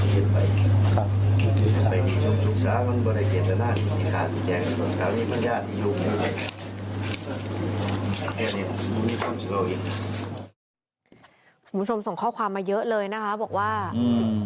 คุณคุณคุณคุณความมาเยอะเลยนะคะบอกว่าอืม